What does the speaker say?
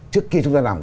trước khi chúng ta làm